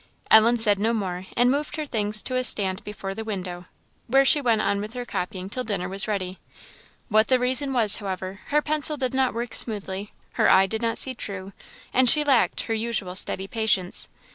Ellen said no more, and moved her things to a stand before the window, where she went on with her copying till dinner was ready. Whatever the reason was, however, her pencil did not work smoothly; her eye did not see true; and she lacked her usual steady patience.